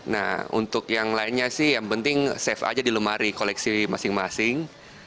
nah untuk yang lainnya sih yang penting safe aja di lemari koleksi masing masing